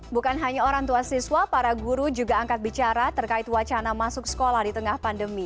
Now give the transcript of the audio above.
bukan hanya orang tua siswa para guru juga angkat bicara terkait wacana masuk sekolah di tengah pandemi